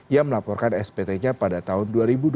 ia melaporkan spt nya pada tahun dua ribu dua puluh